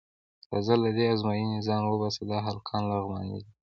راځه له دې ازموینې ځان وباسه، دا هلک لغمانی دی.